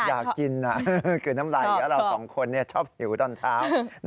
อยากกินน่ะคือน้ำไหล่เราสองคนชอบหิวตอนเช้า